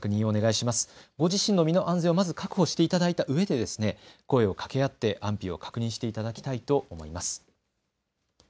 ご自身の身の安全をまず確保していただいたうえで声をかけ合って安否を確認していただきたいと思います。